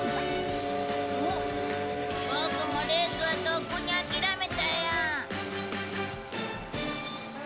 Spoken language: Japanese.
ボクもレースはとっくに諦めたよ。